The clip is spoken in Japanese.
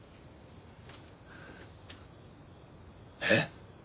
えっ？